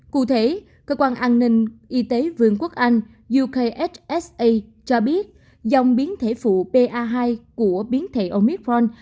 cụ thể cơ quan an ninh y tế vương quốc anh ukhsa cho biết dòng biến thể phụ ba hai của biến thể omicron